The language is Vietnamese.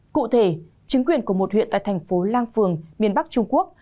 cụ thể chính quyền của một huyện tại thành phố lang phường miền bắc trung quốc